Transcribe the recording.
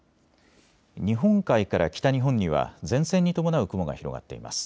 日本海から北日本には前線に伴う雲が広がっています。